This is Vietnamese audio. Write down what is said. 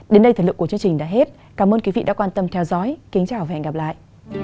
đến đây thời lượng của chương trình đã hết cảm ơn quý vị đã quan tâm theo dõi kính chào và hẹn gặp lại